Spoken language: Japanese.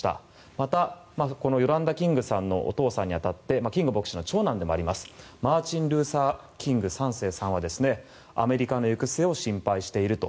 また、ヨランダ・キングさんのお父さんに当たってキング牧師の長男でもありますマーチン・ルーサー・キング３世さんはアメリカの行く末を心配していると。